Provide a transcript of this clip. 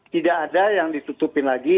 tidak ada yang ditutupin lagi